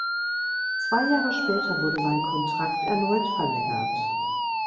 Zwei Jahre später wurde sein Kontrakt erneut verlängert.